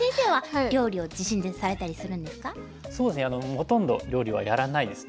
ほとんど料理はやらないですね。